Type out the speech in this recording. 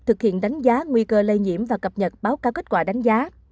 thực hiện đánh giá nguy cơ lây nhiễm và cập nhật báo cáo kết quả đánh giá